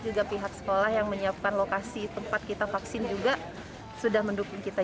juga pihak sekolah yang menyiapkan lokasi tempat kita vaksin juga sudah mendukung kita